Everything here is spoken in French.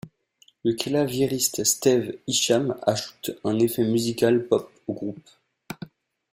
Le claviériste Steve Isham ajoute un effet musical pop au groupe.